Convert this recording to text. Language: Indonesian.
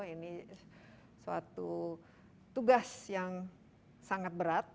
ini suatu tugas yang sangat berat